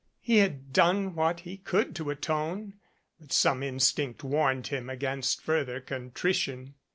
He had done what he could to atone but some instinct warned him against further contrition.